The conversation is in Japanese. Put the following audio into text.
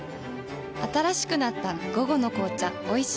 新しくなった「午後の紅茶おいしい無糖」